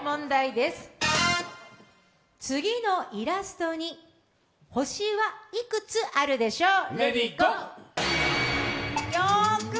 次のイラストに星はいくつあるでしょう。